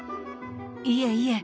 いえいえ